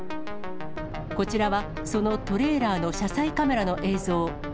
こちらはそのトレーラーの車載カメラの映像。